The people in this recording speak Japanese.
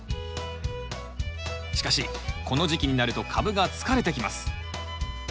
しかしこの時期になると株が疲れてきます。